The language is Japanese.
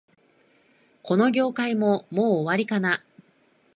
この業界も、もう終わりかな